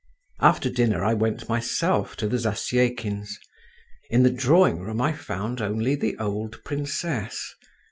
After dinner I went myself to the Zasyekins'. In the drawing room I found only the old princess.